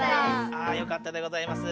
あよかったでございます。